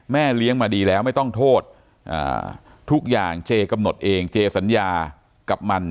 เลี้ยงมาดีแล้วไม่ต้องโทษทุกอย่างเจกำหนดเองเจสัญญากับมัน